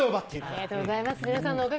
ありがとうございます。